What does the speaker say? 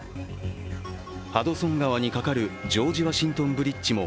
ハドソン川にかかるジョージ・ワシントン・ブリッジも